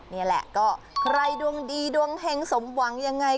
นี่แหละก็ใครดวงดีดวงเห็งสมหวังยังไง